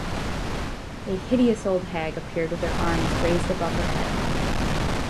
A hideous old hag appeared with her arms raised above her head.